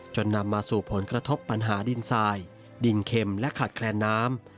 นำมาสู่ผลกระทบปัญหาดินทรายดินเข็มและขาดแคลนน้ำ